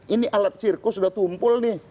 ini alat sirkus sudah tumpul nih